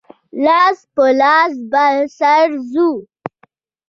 لاس په لاس به سره ځو.